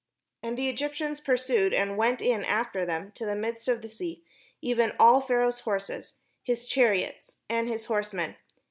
And the Egyptians pursued, and went in after them to the midst of the sea, even all Pharaoh's horses, his chariots, and his horsemen.